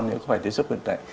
nếu có phải tiếp xúc kháng sinh